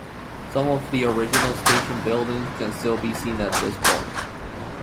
Some of the original station buildings can still be seen at this point.